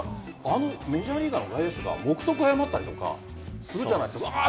メジャーリーガーって目測を誤ったりとかするじゃないですか。